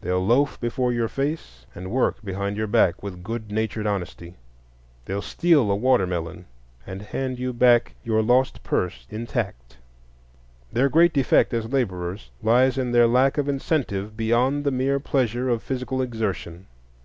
They'll loaf before your face and work behind your back with good natured honesty. They'll steal a watermelon, and hand you back your lost purse intact. Their great defect as laborers lies in their lack of incentive beyond the mere pleasure of physical exertion.